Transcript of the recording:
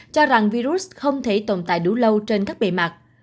cho rằng virus không thể tồn tại đủ lâu trên các bề mặt